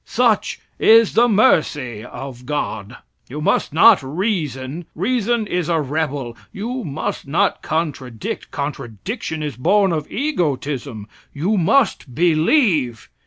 Such is the mercy of God." "You must not reason. Reason is a rebel. You must not contradict contradiction is born of egotism; you must believe.